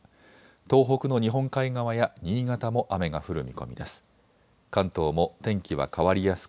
東北の日本海側や新潟も雨が降る見込みです。